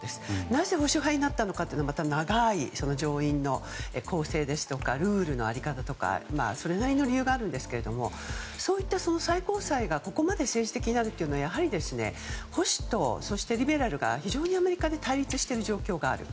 なぜ保守派になったのかはまた長い上院の構成ですとかルールの在り方とかそれなりの理由がありますがそういった最高裁がここまで政治的になるというのはやはり保守とリベラルが非常にアメリカで対立している状況がある。